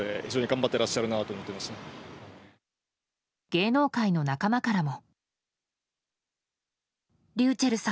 芸能界の仲間からも。